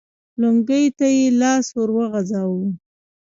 لونګۍ ته يې لاس ور وغځاوه.